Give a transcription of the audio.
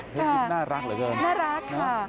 คลิปน่ารักเหลือเกินน่ารักค่ะ